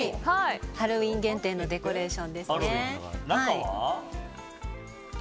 ハロウィーン限定のデコレーションですね。